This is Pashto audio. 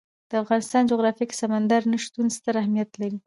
د افغانستان جغرافیه کې سمندر نه شتون ستر اهمیت لري.